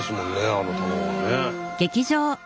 あの卵もね。